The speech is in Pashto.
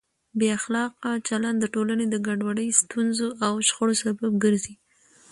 بې اخلاقه چلند د ټولنې د ګډوډۍ، ستونزو او شخړو سبب ګرځي.